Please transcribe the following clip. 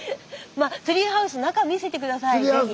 まあツリーハウス中見せて下さい是非。